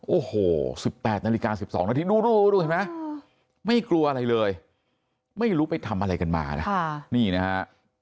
โอ้โห๑๘นาฬิกา๑๒นาทีดูเห็นไหมไม่กลัวอะไรเลยไม่รู้ไปทำอะไรกันมานะนี่นะฮะ